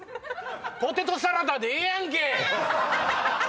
「ポテトサラダ」でええやんけ！